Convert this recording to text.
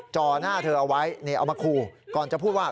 จอหน้าเธอเอาไว้เอามาขู่ก่อนจะพูดว่า